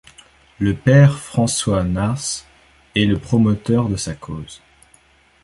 Le père François Nasr est le promoteur de sa cause.